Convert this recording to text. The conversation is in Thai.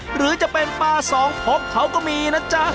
หรือจะเป็นปลาสองพกเขาก็มีนะจ๊ะ